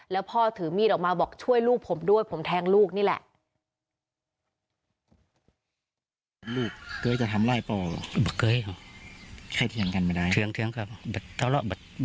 แล้วพ่อถือมีดออกมาบอกช่วยลูกผมด้วยผมแทงลูกนี่แหละ